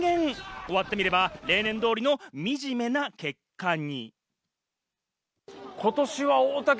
終わってみれば例年通りの惨めな結果に。